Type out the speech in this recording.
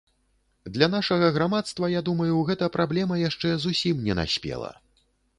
Для нашага грамадства, я думаю, гэта праблема яшчэ зусім не наспела.